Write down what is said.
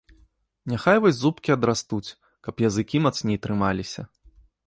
Няхай вось зубкі адрастуць, каб языкі мацней трымаліся!